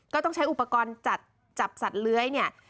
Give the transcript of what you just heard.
ต้องใช้อุปกรณ์จัดจับสัตว์เลื้อยเนี่ย